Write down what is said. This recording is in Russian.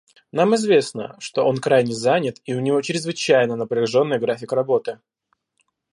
Нам известно, что он крайне занят и у него чрезвычайно напряженный график работы.